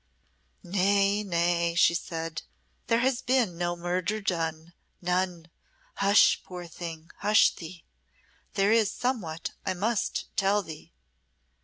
"Nay, nay," she said, "there has been no murder done none! Hush, poor thing, hush thee. There is somewhat I must tell thee."